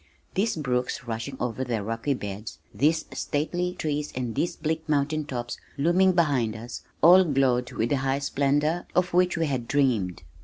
These brooks rushing over their rocky beds, these stately trees and these bleak mountain tops looming behind us, all glowed with the high splendor, of which we had dreamed.